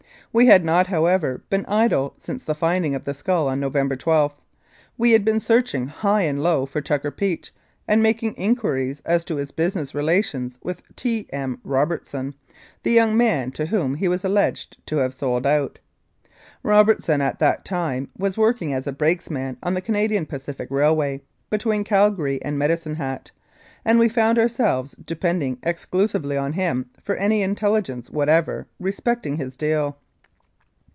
We had not, however, been idle since the finding of the skull on November 12. We had been searching high and low for Tucker Peach and making inquiries as to his business relations with T. M. Robertson, the young man to whom he was alleged to have sold out. Robert son at that time was working as a brakesman on the Canadian Pacific Railway, between Calgary and Medicine Hat, and we found ourselves depending ex clusively on him for any intelligence whatever respecting his deal.